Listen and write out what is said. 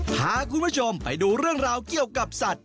พาคุณผู้ชมไปดูเรื่องราวเกี่ยวกับสัตว์